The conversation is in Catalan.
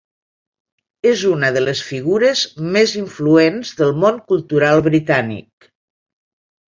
És una de les figures més influents del món cultural britànic.